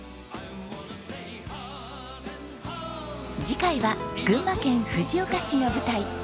次回は群馬県藤岡市が舞台。